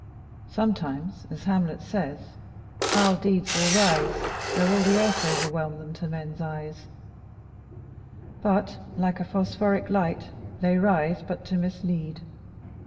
Sometimes, as Hamlet says: 'Foul deeds will rise, Though all the earth o'erwhelm them, to men's eyes;' but, like a phosphoric light, they rise but to mislead.